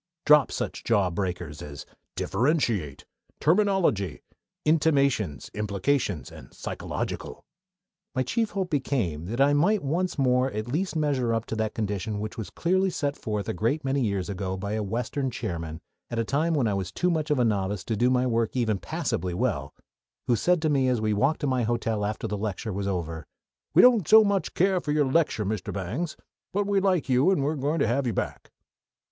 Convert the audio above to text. Drop such jawbreakers as differentiate, terminology, intimations, implications, and psychological." My chief hope became that I might once more at least measure up to that condition which was clearly set forth a great many years ago by a Western chairman, at a time when I was too much of a novice to do my work even passably well, who said to me as we walked to my hotel after the lecture was over: "We don't care so much for your lecture, Mr. Bangs; but we like you, and we're going to have you back."